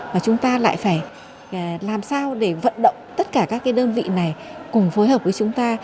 và chúng ta lại phải làm sao để vận động tất cả các đơn vị này cùng phối hợp với chúng ta